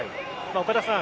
岡田さん